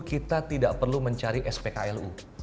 kita tidak perlu mencari spklu